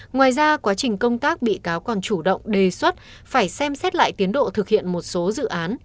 ngoài ra quá trình công tác bị cáo còn chủ động đề xuất phải xem xét lại tiến độ thực hiện một số dự án